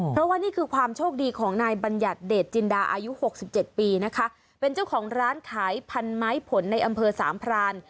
เพราะว่านี่คือความโชคดีของนายบัญญัติเดชจินดาอายุหกสิบเจ็ดปีนะคะเป็นเจ้าของร้านขายพันไม้ผลในอำเภอสามพราน